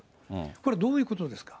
これ、どういうことですか。